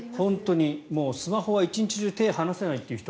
スマホは一日中手を離せないという人